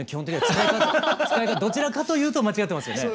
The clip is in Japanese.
使い方どちらかというと間違ってますよね。